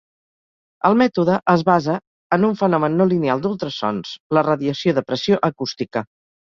El mètode es basa en un fenomen no lineal d'ultrasons, la radiació de pressió acústica.